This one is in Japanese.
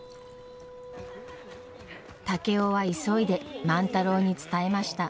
竹雄は急いで万太郎に伝えました。